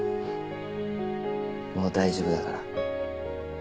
もう大丈夫だから。